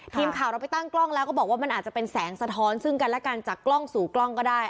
ทีมข่าวเราไปตั้งกล้องแล้วก็บอกว่ามันอาจจะเป็นแสงสะท้อนซึ่งกันและกันจากกล้องสู่กล้องก็ได้